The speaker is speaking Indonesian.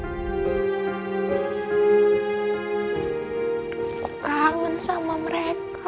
aku kangen sama mereka